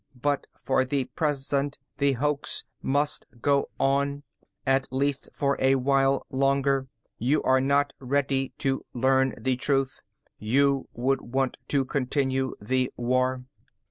But for the present, the hoax must go on, at least for a while longer. You are not ready to learn the truth. You would want to continue the war."